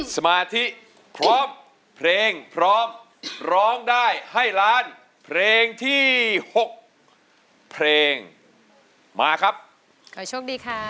สมาธิพร้อมเพลงพร้อมร้องได้ให้ล้านเพลงที่หกเพลงมาครับขอโชคดีค่ะ